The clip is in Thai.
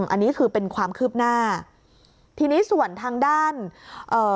อันนี้คือเป็นความคืบหน้าทีนี้ส่วนทางด้านเอ่อ